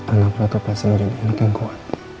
anakku akan selalu sehat dan baik baik aja